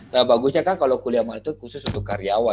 nah bagusnya kan kalau kuliah mal itu khusus untuk karyawan